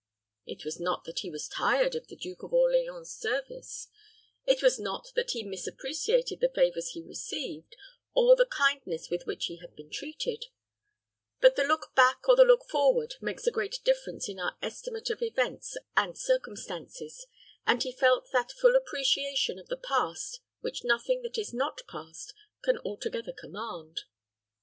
It was not that he was tired of the Duke of Orleans's service: it was not that he misappreciated the favors he received, or the kindness with which he had been treated; but the look back or the look forward makes a great difference in our estimate of events and circumstances, and he felt that full appreciation of the past which nothing that is not past can altogether command.